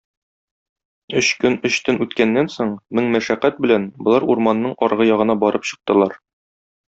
Өч көн, өч төн үткәннән соң, мең мәшәкать белән, болар урманның аргы ягына барып чыктылар.